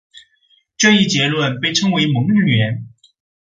这一结论被称为蒙日圆。